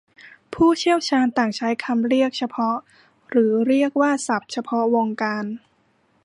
ผู้เชี่ยวชาญต่างใช้คำเรียกเฉพาะหรือเรียกว่าศัทพ์เฉพาะวงการ